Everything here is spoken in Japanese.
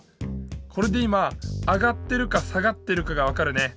これで今あがってるかさがってるかがわかるね。